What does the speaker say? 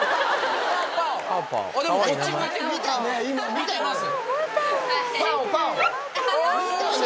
見てます。